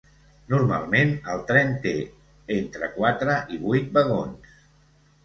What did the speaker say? Normalment el tren té entre quatre i vuit vagons.